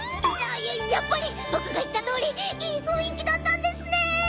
ややややっぱり僕が言った通りいい雰囲気だったんですね！